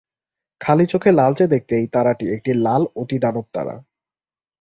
খালি চোখে লালচে দেখতে এই তারাটি একটি লাল অতিদানবতারা।